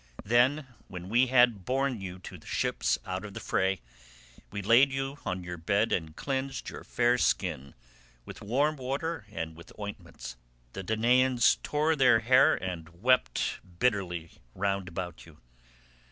Then, when we had borne you to the ships out of the fray, we laid you on your bed and cleansed your fair skin with warm water and with ointments. The Danaans tore their hair and wept bitterly round about you.